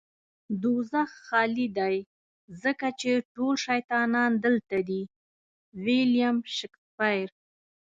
دوزخ خالی دی ځکه چې ټول شيطانان دلته دي. ويلييم شکسپير